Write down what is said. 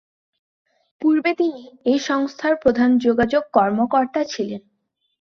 পূর্বে তিনি এই সংস্থার প্রধান যোগাযোগ কর্মকর্তা ছিলেন।